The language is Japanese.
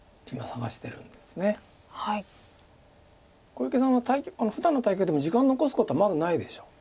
小池さんはふだんの対局でも時間を残すことはまずないでしょう。